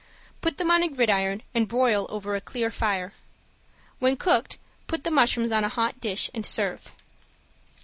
Put them on a gridiron and broil over a clear fire. When cooked put the mushrooms on a hot dish, and serve.